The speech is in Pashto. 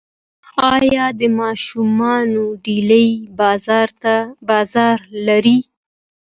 آیا د ماشومانو ډالۍ بازار لري؟